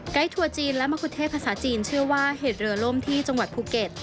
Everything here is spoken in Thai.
ทัวร์จีนและมะคุเทศภาษาจีนเชื่อว่าเหตุเรือล่มที่จังหวัดภูเก็ต